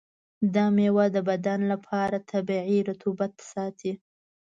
دا میوه د بدن لپاره طبیعي رطوبت ساتي.